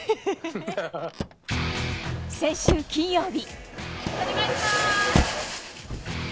先週金曜日。